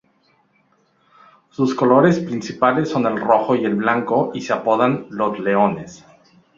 Sus colores principales son el rojo y el blanco y se apodan "Los Leones".